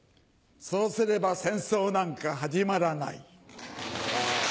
そうすれば戦争なんか始まらない。